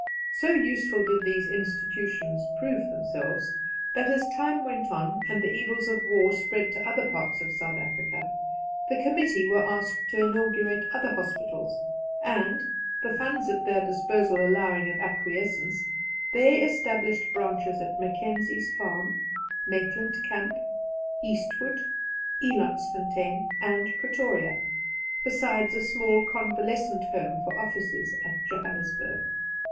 So useful did these institutions prove themselves, that as time went on, and the evils of war spread to other parts of South Africa, the committee were asked to inaugurate other hospitals, and, the funds at their disposal allowing of acquiescence, they established branches at Mackenzie's Farm, Maitland Camp, Eastwood, Elandsfontein, and Pretoria, besides a small convalescent home for officers at Johannesburg.